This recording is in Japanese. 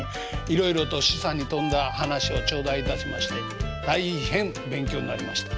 いろいろと示唆に富んだ話を頂戴いたしまして大変勉強になりました。